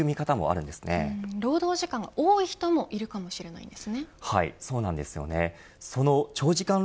労働時間が多い人もいるかもしれないんですね。